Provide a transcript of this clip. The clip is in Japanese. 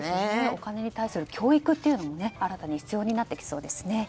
お金に対する教育というのも新たに必要になってきそうですね。